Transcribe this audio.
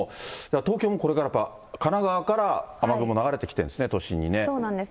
東京もこれからやっぱ神奈川から雨雲、流れてきてるんですね、都そうなんです。